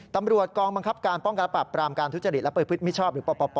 ตำรวจกองบังคับการป้องกัดปราบปรามการทุจจฤทธิ์รับปริพฤติมิชอบ